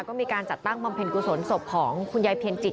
ก็มีการจัดตั้งบำเพ็ญกุศลศพของคุณยายเพียรจิต